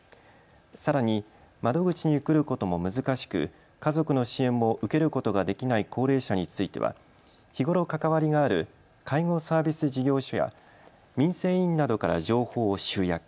さらに窓口に来ることも難しく家族の支援も受けることができない高齢者については日頃関わりがある介護サービス事業所や民生委員などから情報を集約。